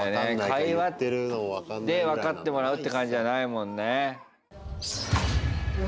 会話で分かってもらうって感じじゃないもんね。